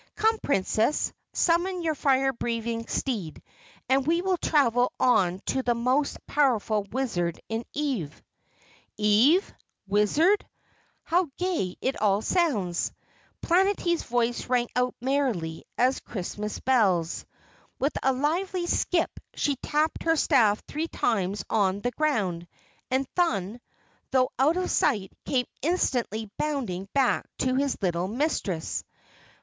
"Come, Princess, summon your fire breathing steed, and we will travel on to the most powerful wizard in Ev." "Ev? Wizard? Oh, how gay it all sounds." Planetty's voice rang out merrily as Christmas bells. With a lively skip she tapped her staff three times on the ground, and Thun, though out of sight, came instantly bounding back to his little mistress.